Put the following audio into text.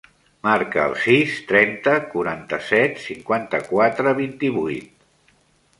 Marca el sis, trenta, quaranta-set, cinquanta-quatre, vint-i-vuit.